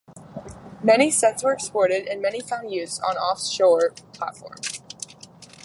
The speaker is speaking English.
Many sets were exported and many found use on offshore platforms.